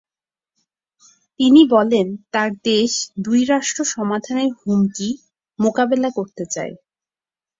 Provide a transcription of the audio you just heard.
তিনি বলেন, তার দেশ দুই-রাষ্ট্র সমাধানের হুমকি মোকাবেলা করতে চায়।